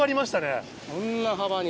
こんな幅に。